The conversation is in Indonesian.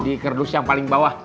di kerdus yang paling bawah